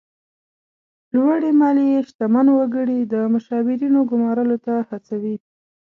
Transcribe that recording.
لوړې مالیې شتمن وګړي د مشاورینو ګمارلو ته هڅوي.